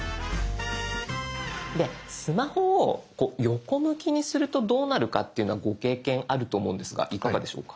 スマホをこう横向きにするとどうなるかっていうのはご経験あると思うんですがいかがでしょうか？